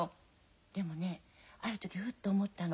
でもねある時ふっと思ったの。